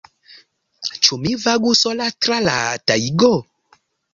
Ĉu mi vagu sola tra la tajgo?